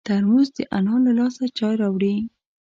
ترموز د انا له لاسه چای راوړي.